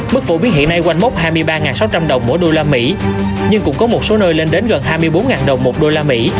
mức phổ biến hiện nay quanh mốc hai mươi ba sáu trăm linh đồng mỗi usd nhưng cũng có một số nơi lên đến gần hai mươi bốn đồng một usd